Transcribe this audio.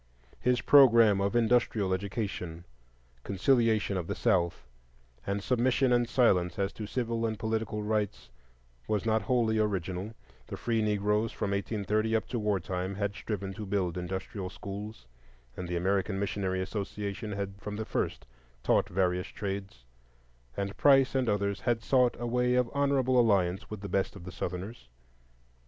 His programme of industrial education, conciliation of the South, and submission and silence as to civil and political rights, was not wholly original; the Free Negroes from 1830 up to war time had striven to build industrial schools, and the American Missionary Association had from the first taught various trades; and Price and others had sought a way of honorable alliance with the best of the Southerners.